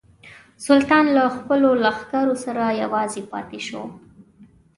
سلطان له خپلو لښکرو سره یوازې پاته شو.